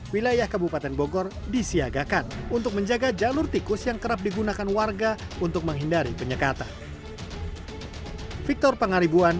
wilayah kabupaten bogor disiagakan untuk menjaga jalur tikus yang kerap digunakan warga untuk menghindari penyekatan